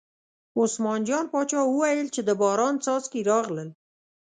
عثمان جان باچا وویل چې د باران څاڅکي راغلل.